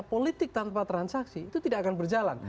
politik tanpa transaksi itu tidak akan berjalan